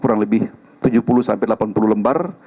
kurang lebih tujuh puluh sampai delapan puluh lembar